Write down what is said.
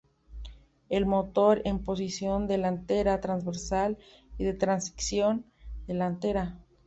El motor en posición delantera transversal, y de tracción delantera.